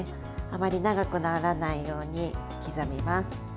あまり長くならないように刻みます。